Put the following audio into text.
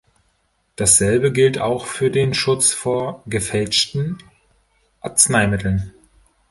Dasselbe gilt auch für den Schutz vor gefälschten Arzneimitteln.